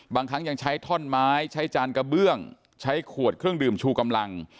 บางครั้งยังใช้ท่อนไม้ใช้จานกระเบื้องใช้ขวดเครื่องดื่มชูกำลัง